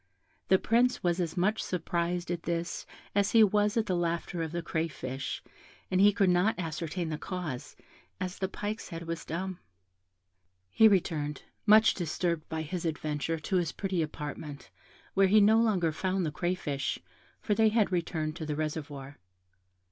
The Prince was as much surprised at this as he was at the laughter of the crayfish, and he could not ascertain the cause, as the pike's head was dumb. He returned, much disturbed by his adventure, to his pretty apartment, where he no longer found the crayfish, for they had returned to the reservoir.